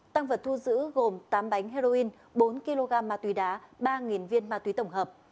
tăng vật thu giữ gồm tám bánh heroin bốn kg ma túy đá ba viên ma túy tổng hợp